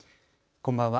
こんばんは。